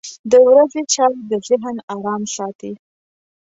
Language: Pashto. • د ورځې چای د ذهن ارام ساتي.